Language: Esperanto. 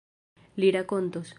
Li rakontos.